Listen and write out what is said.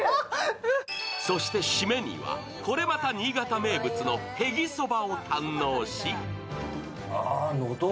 そして締めには、これまた新潟名物のへぎそばを堪能。